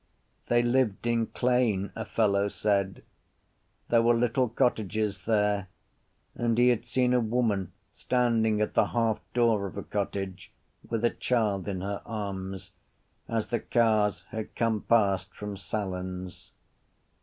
They lived in Clane, a fellow said: there were little cottages there and he had seen a woman standing at the halfdoor of a cottage with a child in her arms, as the cars had come past from Sallins.